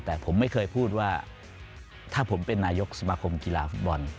แต่ผมไม่เคยพูดว่าถ้าผมเป็นนายกสมาคมกีฬาฟุตบอล